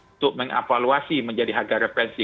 untuk meng avaluasi menjadi harga referensi